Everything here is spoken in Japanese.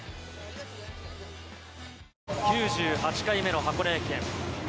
９８回目の箱根駅伝。